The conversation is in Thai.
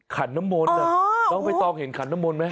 ขันน้ำมนต์น้องใบตองเห็นขันน้ำมนต์ไหม